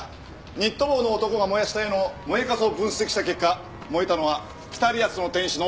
ニット帽の男が燃やした絵の燃えカスを分析した結果燃えたのは『北リアスの天使』のレプリカでした。